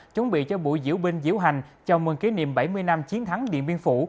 chuẩn bị cho buổi diễu binh diễu hành chào mừng kỷ niệm bảy mươi năm chiến thắng điện biên phủ